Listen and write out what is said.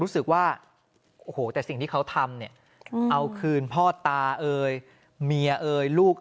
รู้สึกว่าโอ้โหแต่สิ่งที่เขาทำเนี่ยเอาคืนพ่อตาเอ่ยเมียเอ่ยลูก